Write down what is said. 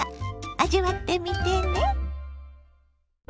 味わってみてね。